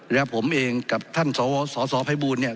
และผมเองกับท่านสอสอภัยบูรณ์เนี่ย